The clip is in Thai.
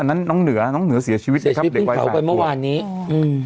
อันนั้นน้องเหนือน้องเหนือเสียชีวิตนะครับเด็กวายแปดครัวเสียชีวิตเพิ่งเผาไปเมื่อวานนี้อืม